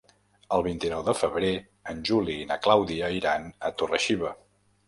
El vint-i-nou de febrer en Juli i na Clàudia iran a Torre-xiva.